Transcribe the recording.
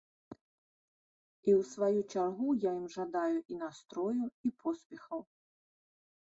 І ў сваю чаргу я ім жадаю і настрою, і поспехаў.